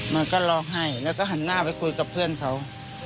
มันก็ร้องไห้แล้วก็หันหน้าไปคุยกับเพื่อนเขา